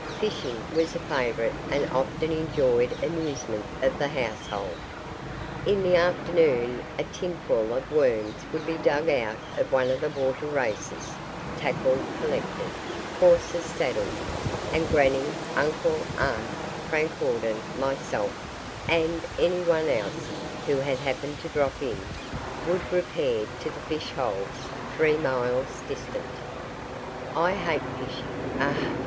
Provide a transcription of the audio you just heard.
Fishing was a favourite and often enjoyed amusement of the household. In the afternoon a tinful of worms would be dug out of one of the water races, tackle collected, horses saddled, and grannie, uncle, aunt, Frank Hawden, myself, and any one else who had happened to drop in, would repair to the fish holes three miles distant. I hate fishing. Ugh!